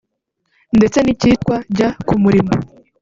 ndetse n’icyitwa Jya Ku Murimo